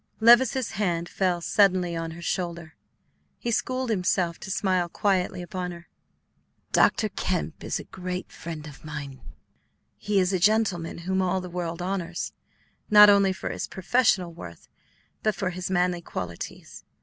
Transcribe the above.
Levice's hand fell suddenly on her shoulder. He schooled himself to smile quietly upon her. "Dr. Kemp is a great friend of mine. He is a gentleman whom all the world honors, not only for his professional worth, but for his manly qualities.